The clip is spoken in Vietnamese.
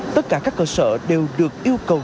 tất cả các cơ sở đều được yêu cầu